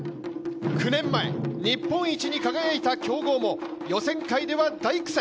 ９年前、日本一に輝いた強豪も予選会では大苦戦。